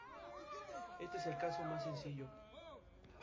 Este es el caso más sencillo.